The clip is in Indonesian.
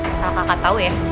asal kakak tau ya